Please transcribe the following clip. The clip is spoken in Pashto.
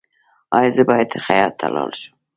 ایا زه باید خیاط ته لاړ شم؟